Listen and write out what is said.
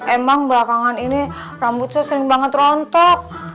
emang belakangan ini rambut saya sering banget rontok